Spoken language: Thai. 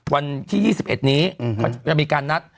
วันที่๒๑นี้เขาจะมีการนัด